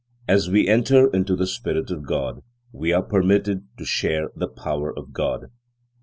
As we enter into the spirit of God, we are permitted to share the power of God.